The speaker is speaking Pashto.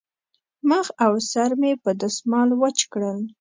مخ او سر مې په دستمال وچ کړل.